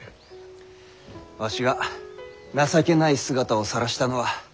わしが情けない姿をさらしたのは紛れもないこと。